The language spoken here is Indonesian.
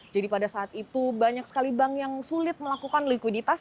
jadi pada saat itu banyak sekali bank yang sulit melakukan likuditas